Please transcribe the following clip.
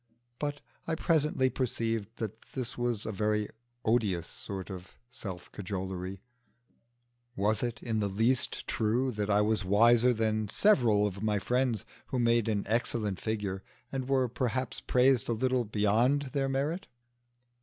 But I presently perceived that this was a very odious sort of self cajolery. Was it in the least true that I was wiser than several of my friends who made an excellent figure, and were perhaps praised a little beyond their merit?